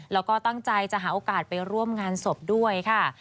แล้วก็ตั้งใจจะหาโอกาสไปร่วมงานศพด้วยค่ะ